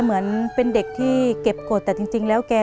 เปลี่ยนเพลงเพลงเก่งของคุณและข้ามผิดได้๑คำ